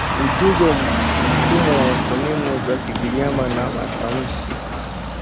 Ujuzi wa mfumo wa fonimu za Kigiryama na matamshi